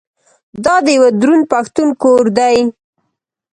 دا د یوه دروند پښتون کور دی.